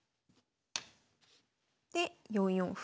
で４四歩。